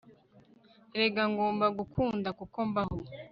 erega ngomba gukunda kuko mbaho